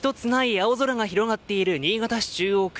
青空が広がっている新潟市中央区。